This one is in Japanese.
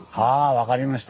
分かりました。